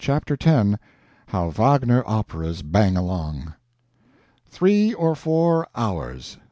CHAPTER X [How Wagner Operas Bang Along] Three or four hours.